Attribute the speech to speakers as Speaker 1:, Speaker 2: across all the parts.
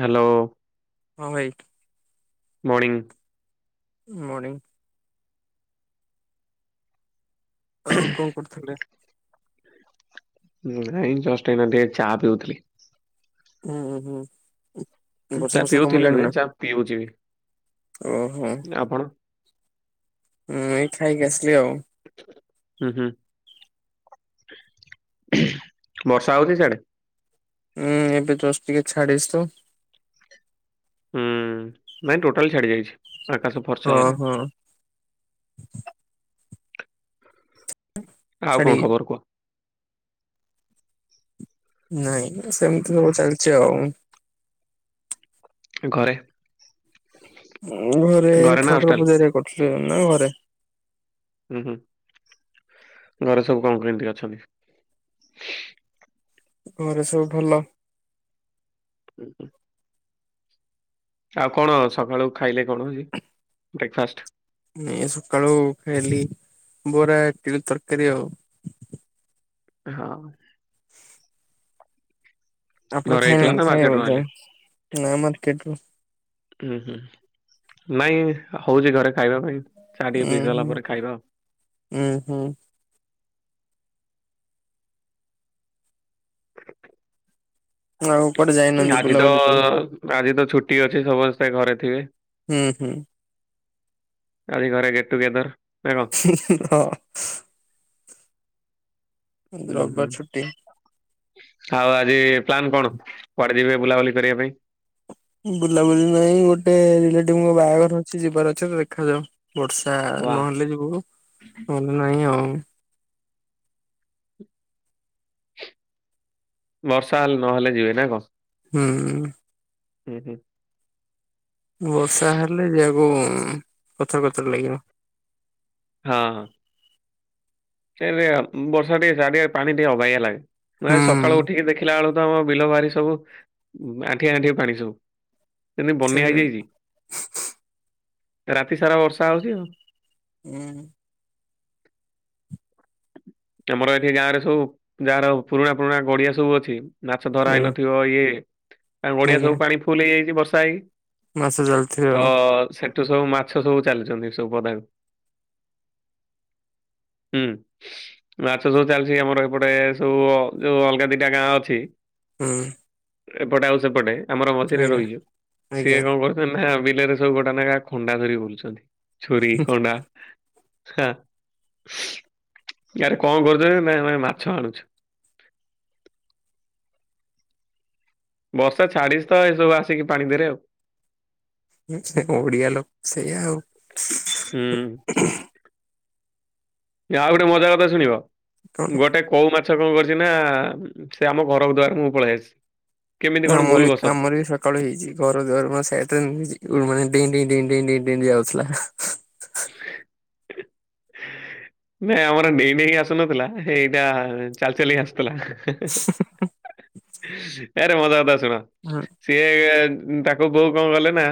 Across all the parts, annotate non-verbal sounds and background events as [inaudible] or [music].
Speaker 1: Hello.
Speaker 2: ହଁ ଭାଇ।
Speaker 1: Morning.
Speaker 2: Morning. ଆଉ କଣ କରୁଥୁଲେ।
Speaker 1: ନାଇଁ ଚଷ୍ଟ ଏବେ ଟିକେ ଚା ପିଉଥିଲି।
Speaker 2: ଉଁ, ହୁଁ, ଉଁ,। ବର୍ଷା
Speaker 1: ଚା
Speaker 2: ବର୍ଷା
Speaker 1: ପିଉଥିଲି
Speaker 2: କମିଲାଣି
Speaker 1: ନୁହେଁ
Speaker 2: ନା?
Speaker 1: ଚା ପିଉଛି ବି।
Speaker 2: ଓହୋ।
Speaker 1: ଆପଣ?
Speaker 2: ମୁଁ ଏଇ ଖାଇକି ଆସିଲି ଆଉ।
Speaker 1: ଉଁ, ହୁଁ, ବର୍ଷା ହଉଚି ସିଆଡେ?
Speaker 2: ଉଁ, ଏବେ ଜଷ୍ଟ ଟିକେ ଛାଡିଛି ତ।
Speaker 1: ହୁଁ, ନାଇଁ ଟୋଟାଲ ଛାଡିଯାଇଛି। ଆକାଶ ଫର୍ଚ୍ଚା
Speaker 2: ହଁ,
Speaker 1: ହେଇଗଲାଣି।
Speaker 2: ହଁ।
Speaker 1: ଆଉ କଣ
Speaker 2: ଛାଡିକି
Speaker 1: ଖବର କୁହ?
Speaker 2: ନାଇଁ ସେମିତି ସବୁ ଚାଲିଛି ଆଉ।
Speaker 1: ଘରେ
Speaker 2: ଉଁ, ଘରେ
Speaker 1: ନା
Speaker 2: ଠାକୁର
Speaker 1: ହଷ୍ଟେଲ?
Speaker 2: ପୂଜା ହେରିଆ କରୁଛେ ଆମେ ଘରେ।
Speaker 1: ହୁଁ, ହୁଁ ଘରେ ସବୁ କଣ କେମିତି ଅଛନ୍ତି?
Speaker 2: ଘରେ ସବୁ ଭଲ।
Speaker 1: ଅଁ, ହଁ। ଆଉ କଣ ସକାଳୁ ଖାଇଲେ କଣ ଆଜି ବ୍ରେକଫାଷ୍ଟ?
Speaker 2: ଏ ସକାଳୁ ଖାଇଲି ବରା ଇଟିଲି ତରକାରୀ ଆଉ।
Speaker 1: ହଁ।
Speaker 2: ଆପଣ
Speaker 1: ଘରେ ହେଇଥିଲା ନା
Speaker 2: ଖାଇନାହାନ୍ତି ଖାଇବେ
Speaker 1: ମାର୍କେଟରୁ
Speaker 2: ବୋଧେ?
Speaker 1: ଆଣିଲେ?
Speaker 2: ନା ମାର୍କଟରୁ
Speaker 1: ଉଁ, ହୁଁ ନାଇଁ ହଉଛି ଘରେ ଖାଇବା ପାଇଁ। ଚା ଟିକେ ପିଇ
Speaker 2: ଉଁ,
Speaker 1: ସାରିଲା
Speaker 2: ହୁଁ,
Speaker 1: ପରେ ଖାଇବା ଆଉ।
Speaker 2: ଉଁ, ହୁଁ। ଆଉ କୁଆଡେ ଯାଇ
Speaker 1: ଉଁ, ଆଜି ତ ଆଜି ତ ଛୁଟି ଅଛି ସମସ୍ତେ ଘରେ ଥିବେ।
Speaker 2: ଉଁ, ହୁଁ।
Speaker 1: ଆଜି ଘରେ ଗେଟ୍ ଟୁଗେଦର୍ ନା କଣ?
Speaker 2: ହୁଁ, ହୁଁ, ହଁ। ଉଁ,
Speaker 1: ହୁଁ ହୁଁ
Speaker 2: ରବବାର ଛୁଟି।
Speaker 1: ଆଉ ଆଜି ପ୍ଲାନ୍ କଣ? କୁଆଡେ ଯିବେ ବୁଲାବୁଲି କରିବା ପାଇଁ?
Speaker 2: ବୁଲାବୁଲି ନାହିଁ ଗୋଟେ ରିଲେଟିଭ୍ ଙ୍କ ବାହାଘର ଅଛି ଯିବାର ଅଛି ଦେଖାାଯାଉ। ବର୍ଷା
Speaker 1: ୱା
Speaker 2: ନହେଲେ ଯିବୁ, ନହେଲେ ନାହିଁ ଆଉ।
Speaker 1: ବର୍ଷା ନହଲେ ଯିବେ ନା କଣ?
Speaker 2: ହୁଁ।
Speaker 1: ହୁଁ, ହୁଁ।
Speaker 2: ବର୍ଷା ହେଲେ ଯିବାକୁ ଉଁ, କଥର କଥର ଲାଗିବ।
Speaker 1: ହଁ, ହଁ। ସେ [unintelligible] ଉଁ, ବର୍ଷା ଟିକେ ସାଡେ ପାଣି ଟିକେ ଅବାଗିଆ ଲାଗେ, ମୁଁ ଆଜି ସକାଳୁ
Speaker 2: ହୁଁ
Speaker 1: ଉଠିକି ଦେଖିଲା ବେଳୁ ତ ଆମ ବିଲ ବାରି ସବୁ ଉଁ, ଆଣ୍ଠିଏ ଆଣ୍ଠିଏ ପାଣି ସବୁ ଯେମିତି ବନ୍ୟା
Speaker 2: ସେରେ
Speaker 1: ହେଇଯାଇଚି। ରାତିସାରା ବର୍ଷା ହଉଛି ଆଉ।
Speaker 2: ଅଁ,
Speaker 1: ତୋମର ଏଠି ଗାଁରେ ସବୁ ଯାହାର ପୁରୁଣା ପୁରୁଣା ଗଡିଆ ସବୁ ଅଛି ମାଛ ଧରା
Speaker 2: ଆଜ୍ଞା
Speaker 1: ହେଇନଥିବ, ଇଏ ତାଙ୍କ ଗଡିଆ
Speaker 2: ଆଜ୍ଞା
Speaker 1: ସବୁ ପାଣି ଫୁଲ୍ ହେଇଯାଇଚି ବର୍ଷା ହେଇକି।
Speaker 2: ମାସ ଚାଲିଥିବ
Speaker 1: ତ
Speaker 2: ଆଉ
Speaker 1: ସେ ତ ସବୁ ମାଛ ସବୁ ଚାଲୁଛନ୍ତି ସବୁ ପଦାକୁ ହୁଁ,। ମାଛ ସବୁ ଚାଲିଛି ଆମର ଏପଟେ ସବୁ ଯୋଉ ଅଲଗା ଦିଟା ଗାଁ ଅଛି
Speaker 2: ହଁ।
Speaker 1: ଏପଟେ ଆଉ ସେପଟେ ଆମର ମଝିରେ
Speaker 2: ଆଜ୍ଞା
Speaker 1: ରହିଚୁ। ସିଏ
Speaker 2: ଆଜ୍ଞା।
Speaker 1: କଣ କର ନା ବିଲରେ ସବୁ ଗୋଟା ନାଖା ଖଣ୍ଡା ଧରି ବୁଲଛନ୍ତି ଛୁରୀ ଖଣ୍ଡା। ହଁ। ୟାରେ କଣ କରୁଛ ଏ ନାଇଁ ଆମେ ମାଛ ଆଣୁଛୁ। ବର୍ଷା ଛାଡିଶ ତ ଏସବୁ ଆସିକି ପାଣି ଦେରେ ଆଉ।
Speaker 2: ଓଡିଆ ଲୋକ ସେଇଆ
Speaker 1: ହୁଁ
Speaker 2: ଆଉ।
Speaker 1: ଆଉ ଗୋଟେ ମଜା କଥା ଶୁଣିବ।
Speaker 2: କଣ
Speaker 1: ଗୋଟେ କୋଉ ମା ଛ କଣ କରଛି ନା ସେ ଆମ ଘର ଦ୍ୱାର ମୁହଁକୁ ପଳେଇ ଆସିଛି। କେମିତି କଣ
Speaker 2: ଆମର
Speaker 1: ଭୁଲ
Speaker 2: ବି
Speaker 1: ବସତ
Speaker 2: ଆମର ବି ସ ସକାଳ ହେଇଛି ଘରଦ୍ୱାର ମୁହଁ ସାଇଟରେ ଉ ମାନେ ଡେଇଁ ଡେଇଁ ଡେଇଁ ଡେଇଁ ଡେଇଁ ଡେଇଁ ଯାଉଥିଲା।
Speaker 1: ନାଇଁ ଆମର ନେଇ ନେଇ ଆସୁନଥିଲା ଏ ଏଇଟା ଚାଲି ଚାଲି ଆସୁଥିଲା। ଏରେ ମଜାକଥା ଶୁଣ।
Speaker 2: ହଁ।
Speaker 1: ସିଏ ତାକୁ ବୋଉ କଣ କଲେ ନା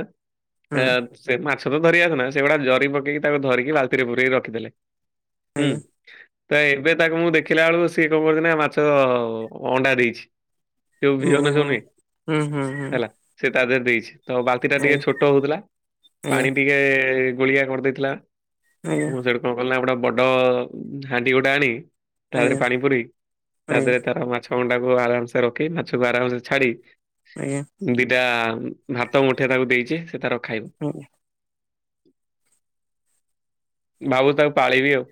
Speaker 2: ହୁଁ
Speaker 1: ଆ ସେ ମାଛ ତ ଧରିିଆସେନା ସେଗୁଡା ଜରି ପକେଇକି ତାକୁ ଧରିକି ବାଲଟିରେ ପୁରେଇକି ରଖିଦେଲେ। ହୁଁ।
Speaker 2: ଆଜ୍ଞା
Speaker 1: ତ ଏବେ ତାକୁ ମୁଁ ଦେଖିଲା ବେଳକୁ ସିଏ କଣ କରଛି ନା ମାଛ ଅଣ୍ଡା ଦେଇଛି। ଯୋଉ ବିହନ ଯୋଉ
Speaker 2: ଓହୋ।
Speaker 1: ନୁହେଁ
Speaker 2: ହୁଁ ହୁଁ ହୁଁ
Speaker 1: ହେଲା। ସେ ତା ଦେହରେ ଦେଇଛି। ତ ବାଲଟି ଟା ଟିକେ
Speaker 2: ଆଜ୍ଞା
Speaker 1: ଛୋଟ ହଉଥିଲା
Speaker 2: ଆଜ୍ଞା।
Speaker 1: ପାଣି ଟିକେ ଟିକେ ଗୋଳିଆ କରିଦେଇଥିଲା
Speaker 2: ଆଜ୍ଞା
Speaker 1: ମୁ ସେଇଠୁ କଣ କଲି ନା ଗୋଟା ବଡ ହାଣ୍ଡି ଗୋଟେ ଆଣି ତା ଦେହେରେ
Speaker 2: ଆଜ୍ଞା
Speaker 1: ପାଣି ପୁରେଇ ତା
Speaker 2: ଆଜ୍ଞା
Speaker 1: ଦେହରେ ତାର ମାଛ କଣ୍ଟାକୁ ଆରାମସେ ରଖି ମାଛକୁ ଆରାମସେ ଛାଡି
Speaker 2: ଆଜ୍ଞା।
Speaker 1: ଦିଟା ଭାତ ମୁଠେ ତାକୁ ଦେଇଛି ସେ ତା ର ଖାଇବ।
Speaker 2: ଆଜ୍ଞା
Speaker 1: ବାବୁ ତାକୁ ପାଳିବି ଆଉ।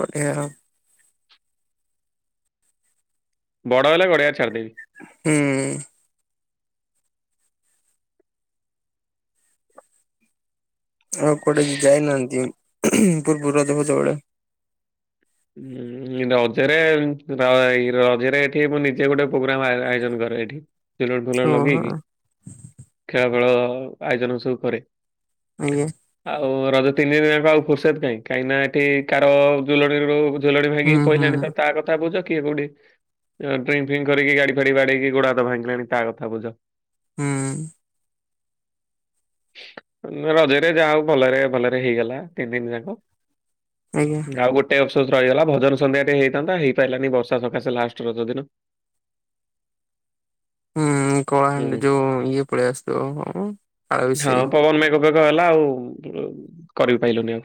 Speaker 2: ବଢିଆ ଆଉ।
Speaker 1: ବଡ଼ ହେଲେ ଗଡ଼ିଆରେ ଛାଡ଼ିଦେବି।
Speaker 2: ହୁଁ। ଆଉ କୁଆଡେ ଯ ଯାଇନାହାନ୍ତି ପୂର୍ବରୁ ରଜ ଫଜ ବେଳେ?
Speaker 1: ଉଁ ରଜରେ ର ରଜରେ ଏଠି ମୁଁ ନିଜେ ଗୋଟେ ପ୍ରୋଗ୍ରାମ ଆ ଆୟୋଜନ କରେ ଏଠି। [unintelligible] ଲ
Speaker 2: ଓହୋ
Speaker 1: ଲଗେଇକି ଖେଳ ଫେଳ ଆୟୋଜନ ସବୁ କରେ।
Speaker 2: ଆଜ୍ଞା।
Speaker 1: ଆଉ ରଜ ତିନି ଦିନଯାଙ୍କ ଆଉ ଫୁର୍ସଦ କାହିଁ କାହିଁକିନା ଏଠି କାର ଜୁଲଣିରୁ ଝୁଲଣି
Speaker 2: ହୁଁ
Speaker 1: ଭାଙ୍ଗିକି
Speaker 2: ହୁଁ
Speaker 1: ପଇଲାଣି ତ ତା କ ତା ବୁଝ କିଏ କୋଉଠି ଡ୍ରିଙ୍କ ଫିଙ୍କ କରିକି ଗାଡି ଫାଡି ବାଡେଇକି ଗୋଡ ହାତ ଭାଙ୍ଗିଲାଣି ତା କଥା ବୁଝ।
Speaker 2: ହୁଁ।
Speaker 1: ରଜରେ ଯାହାହୋଉ ଭଲରେ ଭଲରେ ହେଇଗଲା ତିନି ଦିନ ଯାକ।
Speaker 2: ଆଜ୍ଞା।
Speaker 1: ଆଉ ଗୋଟେ ଟେ ଅଫସୋସ ରହିଗଲା ଭଜନ ସନ୍ଧ୍ୟା ଟେ ହେଇଯାଇଥାନ୍ତା ହେଇପାରିଲାନି ବର୍ଷା ସକାଶେ ଲାଷ୍ଟ ରଜ ଦିନ।
Speaker 2: ହୁଁ
Speaker 1: ହୁଁ।
Speaker 2: କଳାହାଣ୍ଡି ଯୋଉ ଇଏ ପଳେଇ ଆସିଥିବ ହ।
Speaker 1: ହଁ ପବନ ମେଘ ଫେଗ ଘ ହେଲା ଆଉ କରିବି ପାଇଲୁନି ଆଉ।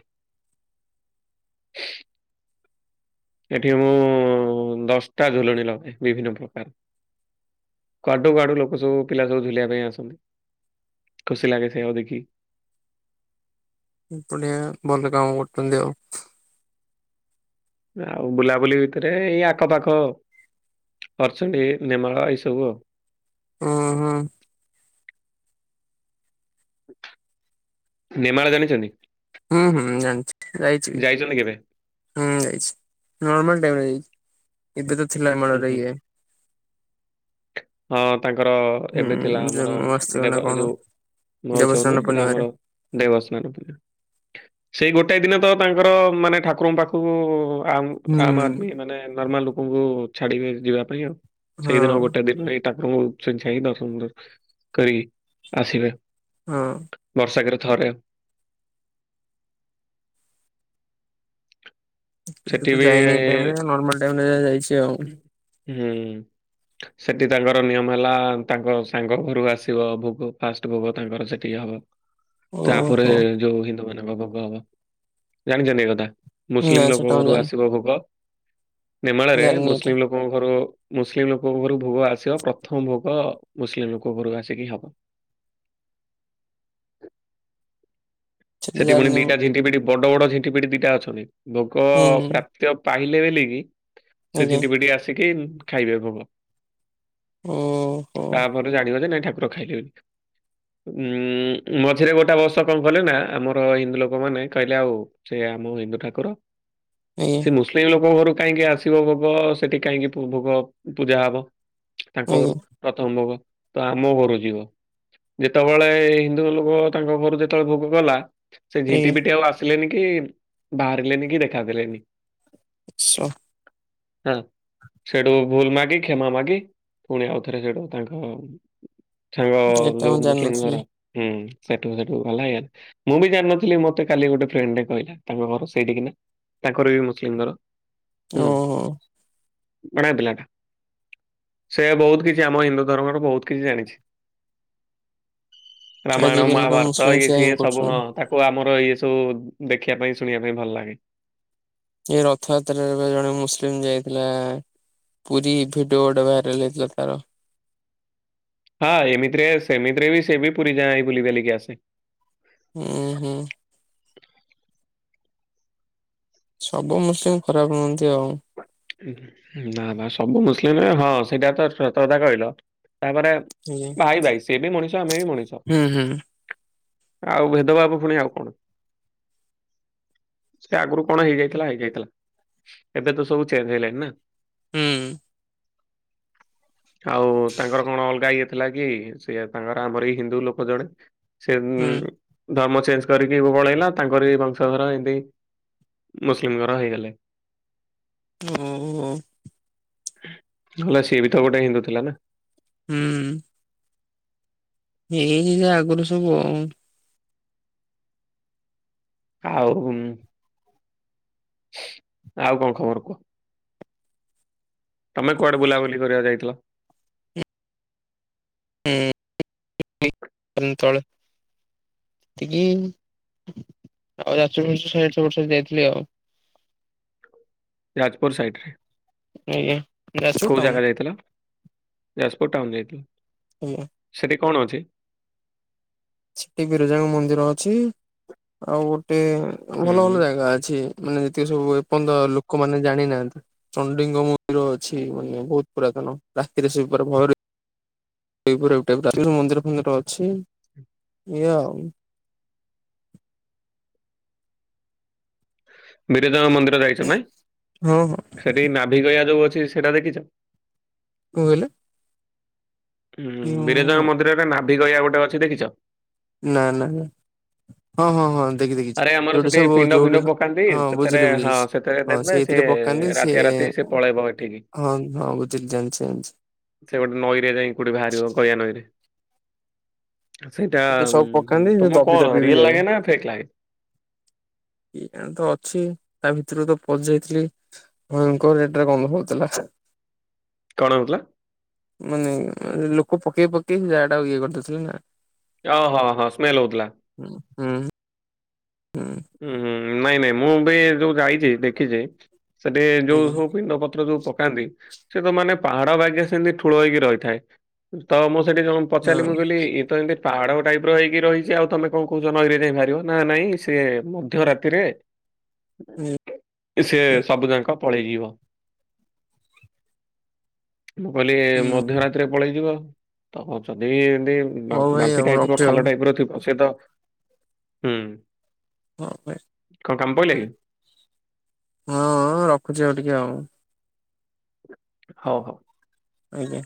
Speaker 1: ଏଠି ମୁଁ ଦଶଟା ଝୁଲଣି ଲଗାଏ ବିଭିନ୍ନ ପ୍ରକାର। କୁଆଡୁ କୁଆଡୁ ଲୋକ ସବୁ ପିଲା ସବୁ ଝୁଲିବା ପାଇଁ ଆସନ୍ତି ଖୁସି ଲାଗେ ସେଇଆକୁ ଦେଖିକି।
Speaker 2: ହୁଁ ବଢିଆ ଭଲ କାମ କରୁଛନ୍ତି ଆଉ।
Speaker 1: ଆଉ ବୁଲାବୁଲି ଭିତରେ ଏଇ ଆଖପାଖ ଅର୍ଚଣ୍ଡି ନେମାଳ ଏଇସବୁ ଉ।
Speaker 2: ଉଁ ହୁଁ।
Speaker 1: ନେମାଳ ଜାଣିଛନ୍ତି?
Speaker 2: ହୁଁ ହୁଁ ଜାଣିଛି ଯାଇଛି ବି।
Speaker 1: ଯାଇଛନ୍ତି କେବେ?
Speaker 2: ହୁଁ ଯାଇଛି ନର୍ମାଲ ଟାଇମରେ ଯାଇଛି ଏବେ ତ ଥିଲା ଏ
Speaker 1: ଉଁ
Speaker 2: ଆମର
Speaker 1: ହୁଁ
Speaker 2: ଇଏ
Speaker 1: ହଁ ତାଙ୍କର
Speaker 2: ହୁଁ
Speaker 1: ଏବେ ଥିଲା ଆମର
Speaker 2: ଜନ୍ମାଷ୍ଟମୀ ନା
Speaker 1: ଦେବ
Speaker 2: କଣ
Speaker 1: ଯୋଉ ମହୋସ୍ଛବ
Speaker 2: ଦେବସ୍ନାନ
Speaker 1: ସେଟା
Speaker 2: ପୂର୍ଣ୍ଣିମାରେ
Speaker 1: ଆମର ଦେବସ୍ନାନ ପୂଣ୍ଣିମା। ସେଇ ଗୋଟାଏ ଦିନ ତ ତାଙ୍କର ମାନେ ଠାକୁରଙ୍କ ପାଖକୁ ଆ
Speaker 2: ହୁଁ
Speaker 1: ଆମ ଆଦମୀ ମାନେ ନର୍ମାଲ ଲୋକଙ୍କୁ ଛାଡିବେ ଯିବା ପାଇଁ ଆଉ
Speaker 2: ହଁ
Speaker 1: ସେଇଦିନଉ ଗୋଟେ ଦିନ। ଏଇ ଠାକୁରଙ୍କୁ ଛୁଇଁ ଛାଇଁ ଦର୍ଶନ କରି ଆସିବେ।
Speaker 2: ହଁ।
Speaker 1: ବର୍ଷକରେ ଥରେ।
Speaker 2: କେବେ
Speaker 1: ସେଠି
Speaker 2: ତ
Speaker 1: ବି
Speaker 2: ଯାଇନି ଏଇ ଟାଇମ ରେ ନର୍ମାଲ ଟାଇମ ରେ ଯାହା ଯାଇଛି ଆଉ।
Speaker 1: ହୁଁ। ସେଠି ତାଙ୍କର ନିୟମ ହେଲା ତାଙ୍କ ସାଙ୍ଗ ଘରୁ ଆସିବ, ଭୋଗ ଫାଷ୍ଟ ଭୋଗ ତାଙ୍କର ସେତିକି ହବ। ତାପରେ
Speaker 2: ଓହୋ
Speaker 1: ଯୋଉ ହିନ୍ଦୁ ମାନଙ୍କ ଭୋଗ ହବ, ଜାଣିଛନ୍ତି ଏଇ କଥା? ମୁସଲିମ
Speaker 2: ନାଇଁ
Speaker 1: ଲୋକଙ୍କ
Speaker 2: ସେଟା ମୁଁ
Speaker 1: ଘରୁ
Speaker 2: ଜାଣିନି
Speaker 1: ଆସିବ ଭୋଗ, ନେମାଳରେ
Speaker 2: ଜାଣିନି ଏଟା
Speaker 1: ମୁସଲିମ ଲୋକଙ୍କ ଘରୁ ମୁସଲିମ ଲୋକଙ୍କ ଘରୁ ଭୋଗ ଆସିବ। ପ୍ରଥମ ଭୋଗ ମୁସଲିମ ଲୋକ ଘରୁ ଆସିକି ହବ।
Speaker 2: ସେଟା
Speaker 1: ସେଠି ପୁଣି
Speaker 2: ଜାଣିନି ମୁଁ।
Speaker 1: ଦିଟା ଝିଟିପିଟି ବଡ ବଡ ଝିଟିପିଟି ଦିଟା ଅଛନ୍ତି। ଭୋଗ
Speaker 2: ହୁଁ
Speaker 1: ପ୍ରା ପାଇଲେ ବଲିକି ସେ
Speaker 2: ଆଜ୍ଞା
Speaker 1: ଝିଟିପିଟି ଆସିକି ଖାଇବେ ଭୋଗ।
Speaker 2: ଓହୋ
Speaker 1: ତାପରେ ଜାଣିବ ଯେ ନାଇଁ ଠା କୁର ଖାଇଲେ ବୋଲି, ଉଁ ମଝିରେ ଗୋଟେ ବର୍ଷ କଣ କଲେ ନା ଆମର ହିନ୍ଦୁ ଲୋକ ମାନେ କହିଲେ ଆଉ ସେ ଆମ ହିନ୍ଦୁ ଠାକୁର।
Speaker 2: ଆଜ୍ଞା
Speaker 1: ସେ ମୁ ମୁସଲିମ ଲୋକଙ୍କ ଘରୁ କାହିଁକି ଆସିବ ଭୋଗ ସେଠି କାହିଁକି ଭୋଗ ପୂଜା ହବ? ତାଙ୍କ ଘରୁ
Speaker 2: ଆଜ୍ଞା
Speaker 1: ପ୍ରଥମ ଭୋଗ ତ ଆମ ଘରୁ ଯିବ। ଯେତେବେଳେ ହିନ୍ଦୁ ଲୋକ ତାଙ୍କ ଘରୁ ଯେତେବେଳେ ଭୋଗ କଲା। ସେ
Speaker 2: ଆଜ୍ଞା।
Speaker 1: ଝିଟିପିଟି ଆଉ ଆସିଲେନି କି ବାହାରିଲେନି କି ଦେଖା ଦେଲେନି।
Speaker 2: ସ [unintelligible]
Speaker 1: ହଁ। ସେଠୁ ଭୁଲ ମାଗି, କ୍ଷମା ମାଗି, ପୁଣି ଆଉ ଥରେ ସେଠୁ ତାଙ୍କ ସାଙ୍ଗ
Speaker 2: ଏଟା ମୁଁ
Speaker 1: ଯୋଉ ମୁସଲିମ
Speaker 2: ଜାଣିନଥିଲି
Speaker 1: ଘର, ହୁଁ ସେଠୁ ସେଠୁ ଗଲା। ମୁଁ ବି ଜାଣିନଥିଲି ମତେ କାଲି ଗୋଟେ ଫ୍ରେଣ୍ଡ ଟେ କହିଲା, ତାଙ୍କ ଘର ସେଇଠିକି ନା। ତାଙ୍କର ବି ମୁସଲିମ ଘର, ହୁଁ
Speaker 2: ଓହୋ
Speaker 1: ବଢ଼ିଆ ପିଲାଟା। ସେ ବହୁତ କିଛି ଆମ ହିନ୍ଦୁ ଧର୍ମର ବହୁତ କିଛି ଜାଣିଛି। ରାମାୟଣ
Speaker 2: ଆଜିକାଲି ତ
Speaker 1: ମହାଭାରତ
Speaker 2: ମୁସଲିମ୍
Speaker 1: ଇଏ
Speaker 2: ସେୟା ହିଁ
Speaker 1: ସିଏ। ସବୁ ହଁ
Speaker 2: କରୁଛନ୍ତି।
Speaker 1: ତାକୁ ଆମର ଇଏ ସବୁ ଦେଖିବା ପାଇଁ ଶୁଣିବା ପାଇଁ ଭଲ ଲାଗେ।
Speaker 2: ଏଇ ରଥଯାତ୍ରାରେ ଏବେ ଜଣେ ମୁସଲିମ ଯାଇଥିଲା ପୁରୀ, ଭିଡିଓ ଗୋଟେ ଭାଇରାଲ ହେଇଥିଲା ତାର।
Speaker 1: ହଁ ଏମିତିରେ ସେମିତିରେ ବି ସେ ବି ପୁରୀ ଯାଇ ବୁଲି ବାଲିକି ଆସେ।
Speaker 2: ହୁଁ ହୁଁ। ସବୁ ମୁସଲିମ ଖରାପ ନୁହନ୍ତି ଆଉ।
Speaker 1: ନା ବା ସବୁ ମୁସଲିମ ହଁ ସେଇଟା ତ ସତକଥା କହିଲ ତାପରେ
Speaker 2: ଆଜ୍ଞା।
Speaker 1: ଭାଇ ଭାଇ ସେ ବି ମଣିଷ ଆମେ ବି ମଣିଷ।
Speaker 2: ହୁଁ ହୁଁ
Speaker 1: ଆଉ ଭେଦଭାବ ପୁଣି ଆଉ କଣ। ସେଟା ଆଗରୁ କଣ ହେଇଯାଇଥିଲା ହେଇଯାଇଥିଲା ଏବେ ତ ସବୁ ଚେଞ୍ଜ ହେଇଗଲେଣିି ନା
Speaker 2: ହୁଁ
Speaker 1: ଆଉ ତାଙ୍କର କଣ ଅଲଗା ଇଏ ଥିଲା କି ସିଏ ତାଙ୍କର ଆମର ଏଇ ହିନ୍ଦୁ ଲୋକ ଜଣେ। ସେ ହୁ।
Speaker 2: ହୁଁ
Speaker 1: ଧର୍ମ ଚେଞ୍ଜ କରିକି ପଳେଇଲା ତାଙ୍କର ବି ବଂଶଧର ଏମତି ମୁସଲିମଙ୍କର ହେଇଗଲେ।
Speaker 2: ଅହୁ ଅ
Speaker 1: ନେହେଲେ ସିଏ ବି ତ ଗୋଟେ ହିନ୍ଦୁ ଥିଲା ନା।
Speaker 2: ହୁଁ ଏଇନ ଯ ଆଗରୁ ସବୁ ଆଉ।
Speaker 1: ଆଉ ଆଉ କଣ ଖବର କୁହ? ତମେ କୁଆଡେ ବୁଲାୁଲି କରିବାକୁ ଯାଇଥିଲ।
Speaker 2: ହଁ ପନ୍ତଳ ହଁ ଆଉ ଶେ ଆଠ ଛଅ ବର୍ଷ ଯାଇଥିଲି ଆଉ।
Speaker 1: ଯାଜପୁର ସାଇଡରେ
Speaker 2: ଆଜ୍ଞା ଯାଜପୁର
Speaker 1: କୋଉ
Speaker 2: ଟାଉନ
Speaker 1: ଜାଗା ଯାଇଥିଲ ଯାଜପୁର ଟାଉନ ଯାଇଥିଲ।
Speaker 2: [inaudible]
Speaker 1: ସେଠି କଣ ଅଛି?
Speaker 2: ସେଠି ବିରଜାଙ୍କ ମନ୍ଦିର ଅଛି ଆଉ ଗୋଟେ
Speaker 1: ହୁଁ
Speaker 2: ଭଲ ଭଲ ଜାଗା ଅଛି। ମାନେ ଯେତିକି ସବୁ ଏପର୍ଯ୍ୟନ୍ତ ଲୋକମାନେ ଜାଣିନାହାନ୍ତି। ଚଣ୍ଡୀଙ୍କ ମନ୍ଦିର ଅଛି ମାନେ ବହୁତ ପୁରାତନ ରାତିରେ ସେ ଉପରେ ଭୟରେ ସେଇପରି ଟାଇପର ଆଉ କିନ୍ତୁ ମନ୍ଦିର ଫନ୍ଦିର ଅଛି। ଏୟା ଆଉ।
Speaker 1: ଦିଟାଯାକ ମନ୍ଦିର ଯାଇଛ ନାଇଁ
Speaker 2: ହଁ ହଁ କଣ
Speaker 1: ସେଠି ନାଭିିକୟା ଯୋଉ ଅଛି ସେଇଟା ଦେଖିଛ?
Speaker 2: କଣ କହିଲେ?
Speaker 1: ହୁଁ ବିରଜୟ ମନ୍ଦିରରେ ନାଭି ଗୟା ଗୋଟେ ଅଛି ଦେଖିଛ?
Speaker 2: ନା ନା ନା ହଁ ହଁ ହଁ ଦେଖି ଦେଖିଛି
Speaker 1: ଆରେ ଆମର
Speaker 2: ଯୋଉଠି
Speaker 1: ସେଠି
Speaker 2: ସବୁ
Speaker 1: ପିଣ୍ଡ ଫିଣ୍ଡ
Speaker 2: ଯୋଉଠି
Speaker 1: ପକାନ୍ତି
Speaker 2: ହଁ
Speaker 1: ସେଥିରେ
Speaker 2: ବୁଝିଲି ବୁଝିଲି
Speaker 1: ହଁ ସେଥିରେ
Speaker 2: ହଁ
Speaker 1: ଦେବେ ସେ
Speaker 2: ସେଇଥିରେ ପକାନ୍ତି ସେ
Speaker 1: ରାତିଆ ରାତି ସେ ପଳେଇବ ଏଠିକି
Speaker 2: ହଁ ହଁ ବୁଝିଲି ଜାଣିଛି ଜାଣିଛି।
Speaker 1: ସେ ଗୋଟେ ନଈରେ ଯାଇ କୋଉଠି ବାହାରିବ ଗୟା ନଈ ରେ। ସେଇଟା
Speaker 2: ଏବେ ସବୁ ପକାନ୍ତି ସେ
Speaker 1: ତମକୁ
Speaker 2: ଦବି
Speaker 1: କଣ
Speaker 2: ଦବି ବି
Speaker 1: ରିଏଲ
Speaker 2: ଯାଏ
Speaker 1: ଲାଗେ ନା ଫେକ୍ ଲାଗେ?
Speaker 2: ଆଉ ତ ଅଛି ତା ଭିତରୁ ତ ପସିଯାଇଥିଲି। ହଁ କଣ ନେଟୱର୍କ କମ ହଉଥିଲା।
Speaker 1: କଣ ହେଉଥିଲା।
Speaker 2: ମାନେ ଲୋକ ପକେଇ ପକେଇ ଯାହା ଟା ଇଏ କରିଦେଉଥିଲେ ନା।
Speaker 1: ଓହୋ ହଁ ହଁ ସ୍ମେଲ ହଉଥିଲା।
Speaker 2: ହଁ ହୁଁ। ହଁ।
Speaker 1: ହୁଁ ହୁଁ ନାଇଁ ନାଇଁ ମୁଁ ବି ଯୋଉ ଯାଇଛି ଦେଖିଛି। ସେଠି ଯୋଉ
Speaker 2: ଆଜ୍ଞା
Speaker 1: ସବୁ ପିଣ୍ଡ ପତ୍ର ଯୋଉ ପକାନ୍ତି। ସେ ତ ମାନେ ପାହାଡ ବାଗେ ସେମିତି ଠୁଳ ହେଇକି ରହିଥାଏ ତ ମୁଁ ସେଠି ଜଣ ପଚାରିଲି ମୁଁ
Speaker 2: ହଁ
Speaker 1: କହିଲି ଇଏ ତ ଏମିତି ପାହାଡ ଟାଇପ ର ହେଇକି ରହିଛି ଆଉ ତମେ କଣ କହୁଛ ନଈରେ ଯାଇ ବାହାରିବ ନା ନାଇଁ ସେ ମଧ୍ୟ ରାତିରେ
Speaker 2: ହୁଁ।
Speaker 1: ସେ ସବୁ ଯାକ ପଳେଇଯିବ, ମୁଁ କହିଲି ମଧ୍ୟ
Speaker 2: ହୁଁ।
Speaker 1: ରାତି ରେ ପଳେଇଯିବ ତ ଯଦି ଏତି
Speaker 2: ହଉ ଭାଇ
Speaker 1: ବାମ୍ଫି
Speaker 2: ଆଉ
Speaker 1: ଟାଇପ ର
Speaker 2: ରଖୁଛି ଆଉ
Speaker 1: ଖାଲ ଟାଇପ ର ଥିବ ସେ ତ ହୁଁ।
Speaker 2: ହଁ ଭାଇ।
Speaker 1: କଣ କାମ ପଇଲା କି?
Speaker 2: ହଁ ରଖୁଛି ଆଉ ଟିକେ ଆଉ।
Speaker 1: ହଉ ହଉ।
Speaker 2: ଆଜ୍ଞା।